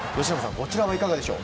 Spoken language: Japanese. こちらはいかがでしょう。